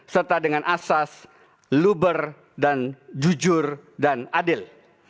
serta dengan asas luber dan jujur dan adil